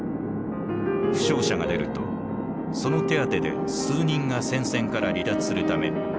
負傷者が出るとその手当てで数人が戦線から離脱するためより